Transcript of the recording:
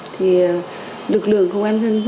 đi về công ký rồi